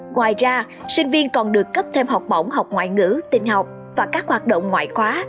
ngoài ra sinh viên còn được cấp thêm học bổng học ngoại ngữ tình học và các hoạt động ngoại khóa